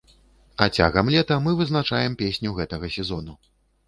А цягам лета мы вызначаем песню гэтага сезону.